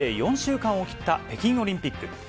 開幕まで４週間を切った北京オリンピック。